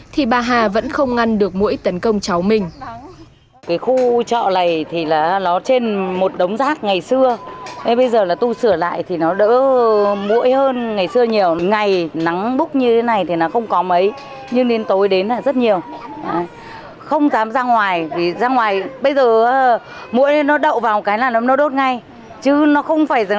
thì bà hà vẫn không ngăn được mũi tấn công cháu mình